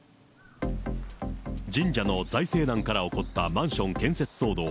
神社の財政難から起こったマンション建設騒動。